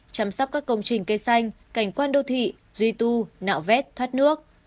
chăm sóc các công trình cây xanh cảnh quan đô thị duy tu nạo vét thoát nước